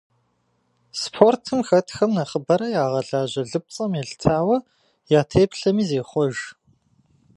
Спортым хэтхэм нэхъыбэрэ ягъэлажьэ лыпцӏэм елъытауэ я теплъэми зехъуэж.